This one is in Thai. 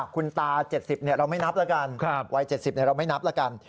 คุณตา๗๐เราไม่นับแล้วกันวัย๗๐เราไม่นับแล้วกัน